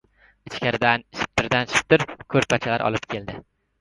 Ichkaridan shiptirdan-shiptir ko‘rpachalar olib keldi.